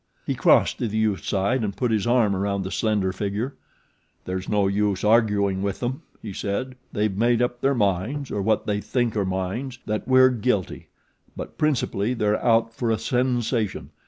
He crossed to the youth's side and put his arm around the slender figure. "There's no use arguing with them," he said. "They've made up their minds, or what they think are minds, that we're guilty; but principally they're out for a sensation.